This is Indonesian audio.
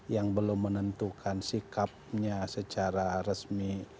yang belum menentukan sikapnya secara resmi